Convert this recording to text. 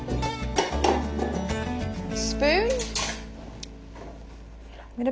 スプーンで。